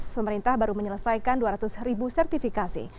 pemerintah baru menyelesaikan dua ratus ribu sertifikasi